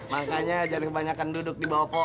makanya jangan kebanyakan duduk di bawah pohon